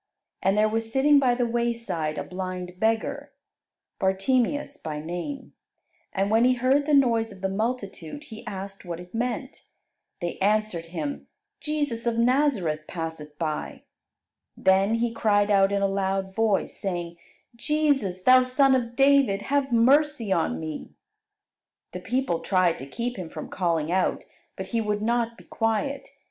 And there was sitting by the wayside a blind beggar, Bartimeus by name; and when he heard the noise of the multitude, he asked what it meant. They answered him, "Jesus of Nazareth passeth by." Then he cried out in a loud voice, saying, "Jesus, Thou Son of David, have mercy on me." The people tried to keep him from calling out, but he would not be quiet.